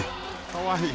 かわいい。